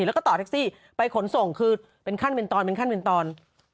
แล้วก็ต่อไตรซี่ไปขนส่งคือเป็นขั้นเป็นตอน